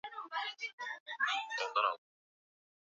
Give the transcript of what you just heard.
Ukuaji wa biashara.